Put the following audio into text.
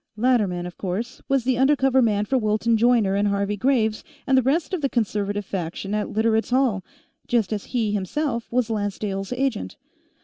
Latterman, of course, was the undercover man for Wilton Joyner and Harvey Graves and the rest of the Conservative faction at Literates' Hall, just as he, himself, was Lancedale's agent.